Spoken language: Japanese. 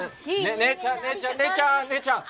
ね姉ちゃん姉ちゃん姉ちゃん姉ちゃん！